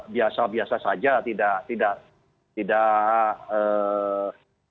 biasa biasa saja tidak tidak setidaknya ha